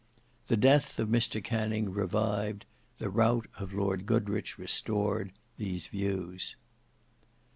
The death of Mr Canning revived, the rout of Lord Goderich restored, these views.